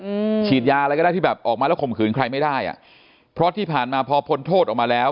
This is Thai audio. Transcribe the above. อืมฉีดยาอะไรก็ได้ที่แบบออกมาแล้วข่มขืนใครไม่ได้อ่ะเพราะที่ผ่านมาพอพ้นโทษออกมาแล้ว